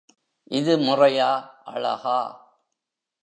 இது முறையா, அழகா?